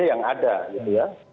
yang ada ya